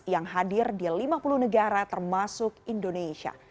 yang hadir di lima puluh negara termasuk indonesia